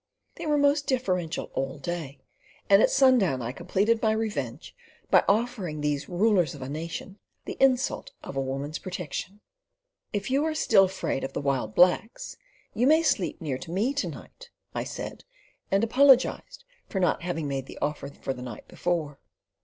They were most deferential all day, and at sundown I completed my revenge by offering these rulers of a nation the insult of a woman's protection. "If you are still afraid of the wild blacks, you may sleep near me to night," I said, and apologised for not having made the offer for the night before.